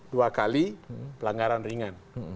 dua kali pelanggaran ringan